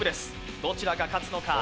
どちらが勝つのか。